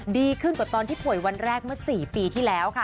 ดีขึ้นกว่าตอนที่ป่วยวันแรกเมื่อ๔ปีที่แล้วค่ะ